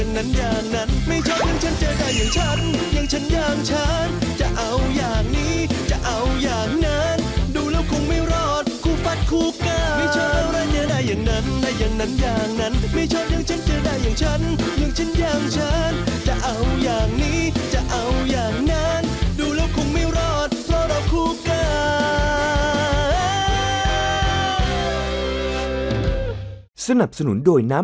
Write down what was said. น้องแม่ขวัญจะทำอะไรให้เธอด้วยจ๊ะ